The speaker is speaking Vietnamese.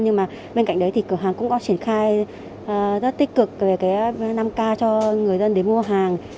nhưng bên cạnh đấy cửa hàng cũng có triển khai rất tích cực về năm k cho người dân đến mua hàng